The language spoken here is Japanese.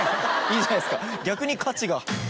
いいじゃないですか逆に価値が。